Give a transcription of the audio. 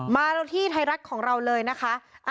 เราที่ไทยรัฐของเราเลยนะคะ